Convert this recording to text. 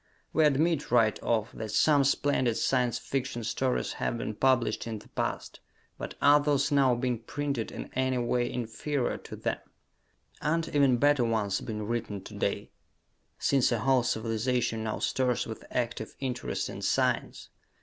We admit, right off, that some splendid Science Fiction stories have been published in the past but are those now being printed in any way inferior to them? Aren't even better ones being written to day? since a whole civilization now stirs with active interest in science?